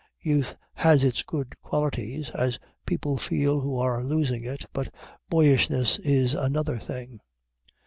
Youth has its good qualities, as people feel who are losing it, but boyishness is another thing.